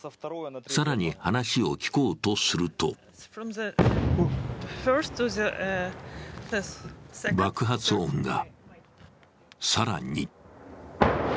更に話を聞こうとすると爆発音が。